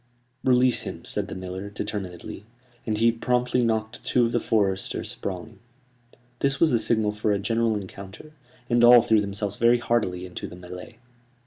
"Release him," said the miller, determinedly; and he promptly knocked two of the foresters sprawling. This was the signal for a general encounter, and all threw themselves very heartily into the mêlée.